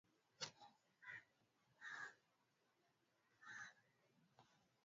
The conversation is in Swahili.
Wanasemekana kuwa wamefikisha umri wa kustaafu